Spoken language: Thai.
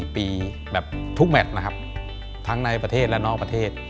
๓๔ปีทุกแมททั้งในประเทศและนอกประเทศ